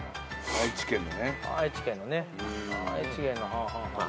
愛知県の。